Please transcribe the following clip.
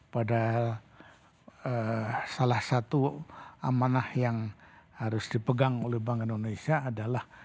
padahal salah satu amanah yang harus dipegang oleh bank indonesia adalah